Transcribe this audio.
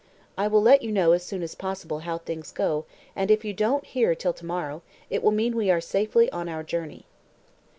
I will let you know as soon as possible how things go, and if you don't hear till to morrow, it will mean we are safely on our journey."